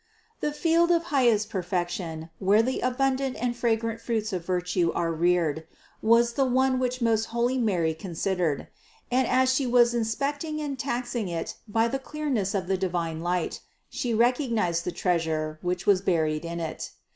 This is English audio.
The field of highest perfection, where the abundant and fra grant fruits of virtue are reared, was the one which most holy Mary considered; and as She was inspecting and taxing it by the clearness of the divine light, She recognized the treasure, which was buried in it.